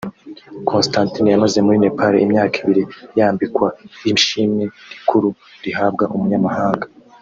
Constantine yamaze muri Nepal imyaka ibiri yambikwa ishimwe rikuru rihabwa umunyamahanga